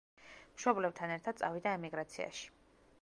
მშობლებთან ერთად წავიდა ემიგრაციაში.